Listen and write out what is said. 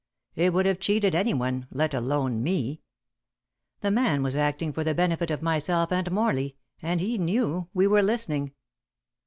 It would have cheated any one, let alone me. The man was acting for the benefit of myself and Morley, and knew we were listening.